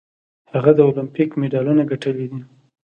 هغه د المپیک مډالونه ګټلي دي.